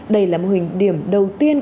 đây là mô hình điểm đầu tiên